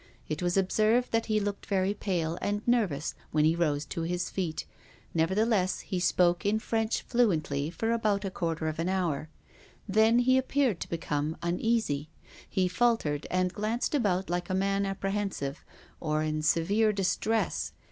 It was observed that he looked very pale and nervous when he rose to his feet. Nevertheless, he spoke in French fluently for about a quarter of an hour. Then he appeared to become uneasy. He faltered and glanced about like a man apprehensive, or in severe dis tress.